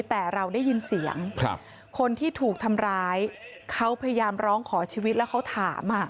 แต่เราได้ยินเสียงคนที่ถูกทำร้ายเขาพยายามร้องขอชีวิตแล้วเขาถาม